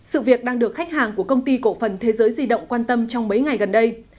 sự việc đang được khách hàng của công ty cổ phần thế giới di động quan tâm trong mấy ngày gần đây